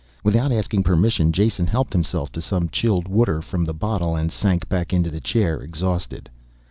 Without asking permission Jason helped himself to some chilled water from the bottle, and sank back into the chair, exhausted.